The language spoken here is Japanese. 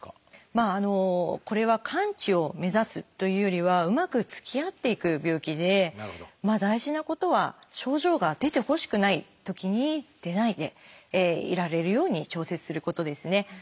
まあこれは完治を目指すというよりはうまくつきあっていく病気で大事なことは症状が出てほしくないときに出ないでいられるように調節することですね。